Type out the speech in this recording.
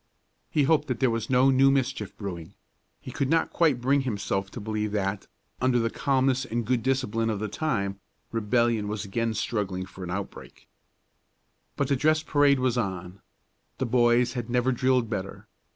He hoped that there was no new mischief brewing; he could not quite bring himself to believe that, under the calmness and good discipline of the time, rebellion was again struggling for an outbreak. But the dress parade was on. The boys had never drilled better.